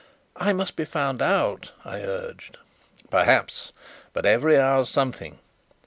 "I must be found out," I urged. "Perhaps; but every hour's something.